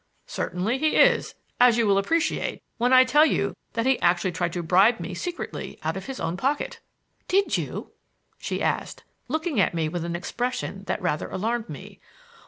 "Certainly he is, as you will appreciate when I tell you that he actually tried to bribe me secretly out of his own pocket." "Did you?" she asked, looking at me with an expression that rather alarmed me.